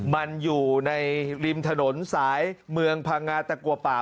มันอยู่ในริมถนนสายเมืองพังงาตะกัวป่า